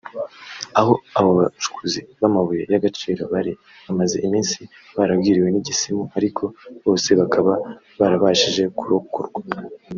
aho abo bacukuzi b’amabuye y’agaciro bari bamaze iminsi baragwiriwe n’igisimu ariko bose bakaba barabashije kurokorwa